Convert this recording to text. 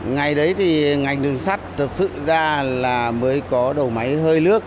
ngày đấy thì ngành đường sắt thật sự ra là mới có đầu máy hơi nước